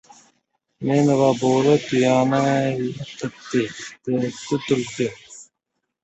• “Men va bo‘ri tuyani yiqitdik”, — debdi tulki.